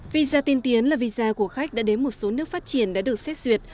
visa tiên tiến là visa của khách đã đến một số nước phát triển đã được xét xuyệt